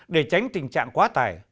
để tránh tình trạng quá tải